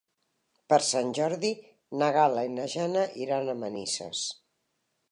Per Sant Jordi na Gal·la i na Jana iran a Manises.